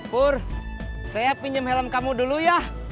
pur saya pinjam helm kamu dulu ya